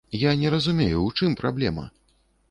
Я не разумею, у чым праблема?